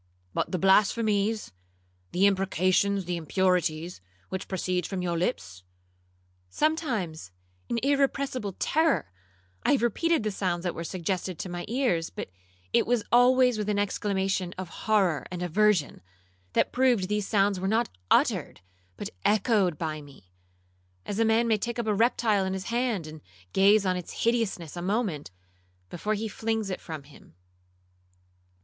'—'But the blasphemies, the imprecations, the impurities, which proceed from your lips?'—'Sometimes, in irrepressible terror, I have repeated the sounds that were suggested to my ears; but it was always with an exclamation of horror and aversion, that proved these sounds were not uttered but echoed by me,—as a man may take up a reptile in his hand, and gaze on its hideousness a moment, before he flings it from him.